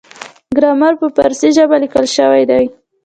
ګرامر په پارسي ژبه لیکل شوی دی.